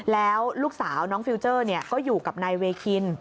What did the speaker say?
แล้วลูกสาวน้องฟิลเจอร์ก็อยู่กับนายเวคิน